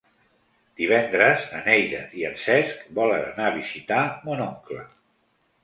Divendres na Neida i en Cesc volen anar a visitar mon oncle.